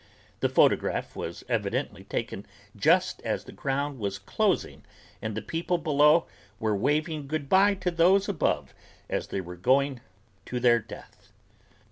The photograph was evidently taken just as the ground was closing and the people below were waving good bye to those above as they were going to their death.